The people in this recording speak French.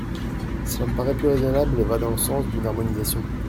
Cela me paraît plus raisonnable et va dans le sens d’une harmonisation.